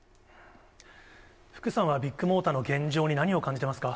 福さんはビッグモーターの現状に何を感じてますか。